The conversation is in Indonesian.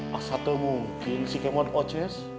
masa tuh mungkin si kemot ojes